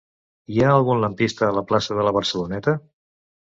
Hi ha algun lampista a la plaça de la Barceloneta?